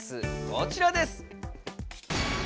こちらです。